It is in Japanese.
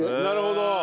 なるほど。